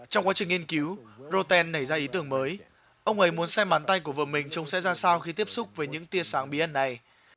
trong quá trình nghiên cứu rotten nảy ra ý tưởng mới ông ấy muốn xem bàn tay của vợ mình trông sẽ ra sao khi tiếp xúc với những tia sáng bí ẩn này